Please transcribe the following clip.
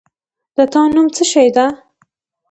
د تا نوم څه شی ده؟